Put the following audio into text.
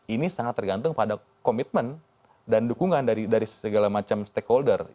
ini sangat tergantung pada komitmen dan dukungan dari segala macam stakeholder